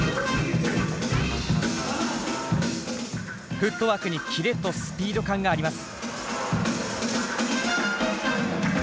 フットワークにキレとスピード感があります。